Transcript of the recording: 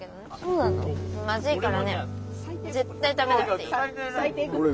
まずいからね絶対食べなくていい。